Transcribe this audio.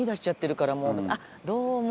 あっどうも。